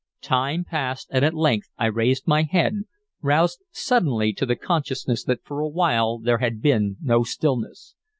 Time passed, and at length I raised my head, roused suddenly to the consciousness that for a while there had been no stillness.